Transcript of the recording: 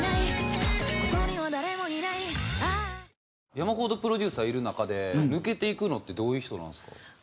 山ほどプロデューサーいる中で抜けていくのってどういう人なんですか？